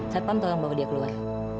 satpam tolong bawa dia keluar